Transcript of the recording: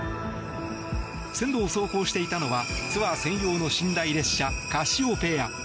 線路を走行していたのはツアー専用の寝台列車カシオペア。